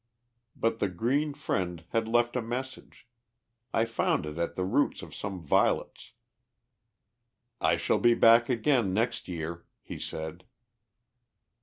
But the Green Friend had left me a message. I found it at the roots of some violets. "I shall be back again next year" he said.